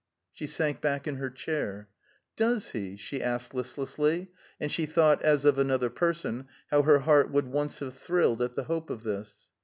She sank back in her chair. "Does he?" she asked listlessly, and she thought, as of another person, how her heart would once have thrilled at the hope of this.